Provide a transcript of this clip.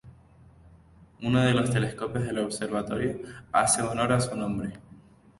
Uno de los telescopios del observatorio hace honor a su nombre.